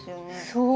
そう。